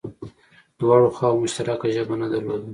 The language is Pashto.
دواړو خواوو مشترکه ژبه نه درلوده